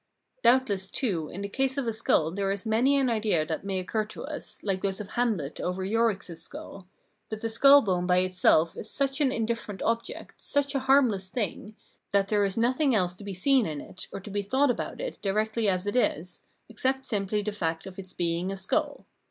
Doubtless, too, in the case of a skull there is many an VOL. I.— Y 322 Phenomenology of Mind idea that may occur to us, like those of Hamlet over Yorick's sJoill ; but the skull bone by itself is such an indifferent object, such a harmless thing, that there is nothing else to be seen in it or to be thought about it directly as it is, except simply the fact of its being a skull.